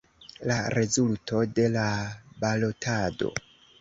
La rezulto de la balotado.